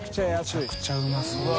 めちゃくちゃうまそうだな。